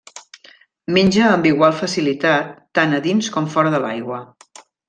Menja amb igual facilitat tant a dins com fora de l'aigua.